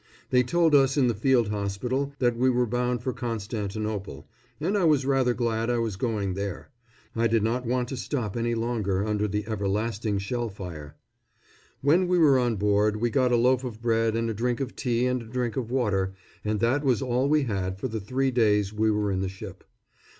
They told us in the field hospital that we were bound for Constantinople, and I was rather glad I was going there. I did not want to stop any longer under the everlasting shell fire. When we went on board we got a loaf of bread and a drink of tea and a drink of water, and that was all we had for the three days we were in the ship.